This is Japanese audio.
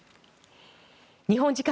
日本時間